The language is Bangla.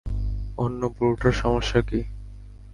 অন্য বুড়োটার সমস্যা কী?